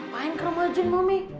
ngapain kerumah jun mami